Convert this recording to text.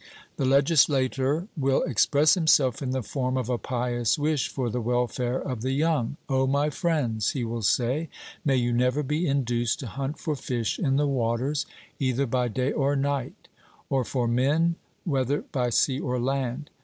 The legislator will express himself in the form of a pious wish for the welfare of the young: O my friends, he will say, may you never be induced to hunt for fish in the waters, either by day or night; or for men, whether by sea or land.